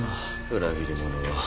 裏切り者は。